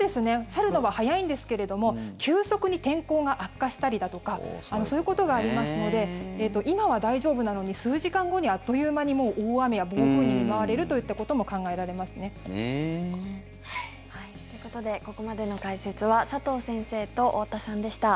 去るのは速いんですけれども急速に天候が悪化したりだとかそういうことがありますので今は大丈夫なのに数時間後にあっという間にもう大雨や暴風に見舞われるといったことも考えられますね。ということでここまでの解説は佐藤先生と、太田さんでした。